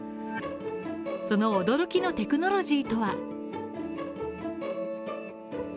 その驚きのテクノロジーとは。